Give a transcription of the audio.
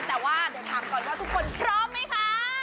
แต่ว่าเดี๋ยวถามก่อนว่าทุกคนพร้อมไหมคะ